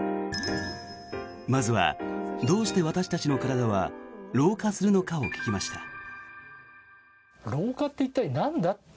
まずはどうして私たちの体は老化するのかを聞きました。